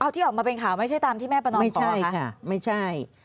ที่ออกมาเป็นข่าวไม่ใช่ตามที่แม่ประนอมบอกไม่ใช่